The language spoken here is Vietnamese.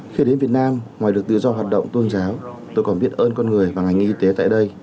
khi đến việt nam ngoài được tự do hoạt động tôn giáo tôi còn biết ơn con người và ngành y tế tại đây